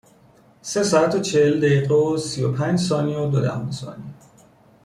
سه ساعت و چهل دقیقه و سی و پنج ثانیه و دو دهم ثانیه